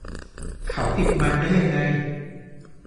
เขาติดมันได้ยังไง